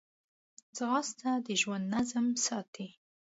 ځغاسته د ژوند نظم ساتي